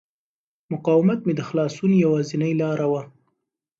مقاومت مې د خلاصون یوازینۍ لاره وه.